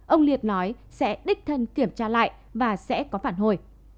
ông liệt nói sẽ đích thân kiểm tra lại và sẽ có phản hồi